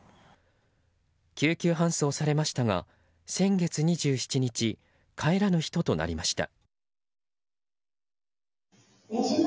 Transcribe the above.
救急搬送されましたが先月２７日帰らぬ人となりました。